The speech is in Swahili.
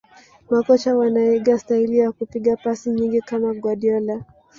Makocha wanaiga staili ya kupiga pasi nyingi kama Guardiola